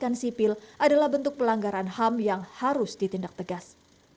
dan menewaskan sipil adalah bentuk pelanggaran ham yang harus ditindak tegas